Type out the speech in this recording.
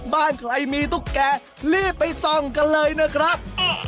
บ้านใครมีตุ๊กแก่รีบไปส่องกันเลยนะครับ